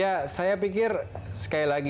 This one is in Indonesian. ya saya pikir sekali lagi